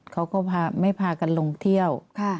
เขาก็ไม่พากันลงเที่ยว